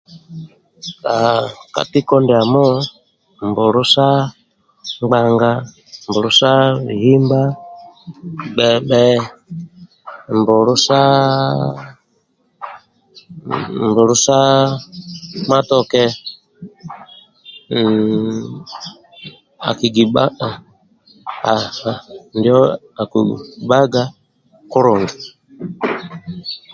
Aah katiko ndiamo mbulu sa ngbanga, mbulu sa bihimba, gbebhe, mbulu saaaa mbulu sa matoke mmm akidibha aah injo akibhaga kulungi.